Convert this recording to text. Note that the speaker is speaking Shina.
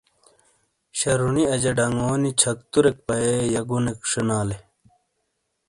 شرُونی اجا ڈنگونی چھکتُر پَیئے یہہ گُنیک شینالے۔